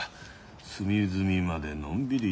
隅々までのんびり読める。